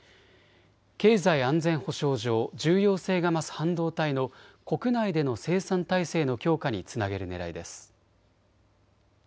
経済安全保障上、重要性が増す半導体の国内での生産体制の強化につなげるねらいです。